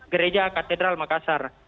gereja katedral makassar